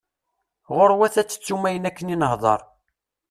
Ɣur-wat ad tettum ayen akken i nehder.